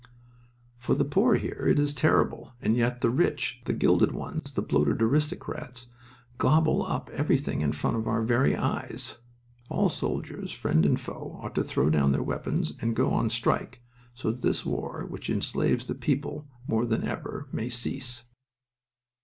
"For the poor here it is terrible, and yet the rich, the gilded ones, the bloated aristocrats, gobble up everything in front of our very eyes... All soldiers friend and foe ought to throw down their weapons and go on strike, so that this war which enslaves the people more than ever may cease."